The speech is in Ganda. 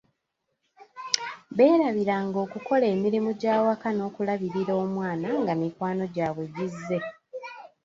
Beerabira nga okukola emirimu gy'awaka n'okulabirira omwana nga mikwano gy'abwe gizze.